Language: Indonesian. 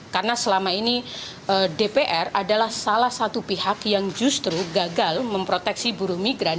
karena selama ini dpr adalah salah satu pihak yang justru gagal memproteksi buruh migran